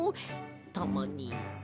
たまに。